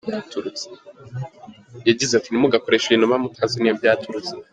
Yagize ati “Ntimugakoreshe ibintu muba mutazi n’iyo byaturutse.